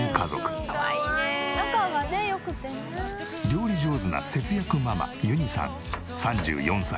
料理上手な節約ママゆにさん３４歳。